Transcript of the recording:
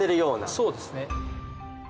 そうですね。